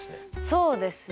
そうですね